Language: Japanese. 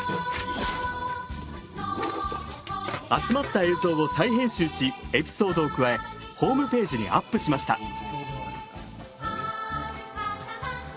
集まった映像を再編集しエピソードを加えホームページにアップしました。